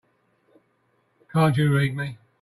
Can't you read me?